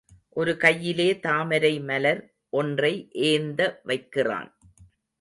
ஒரு கையிலே தாமரை மலர் ஒன்றை ஏந்த வைக்கிறான்.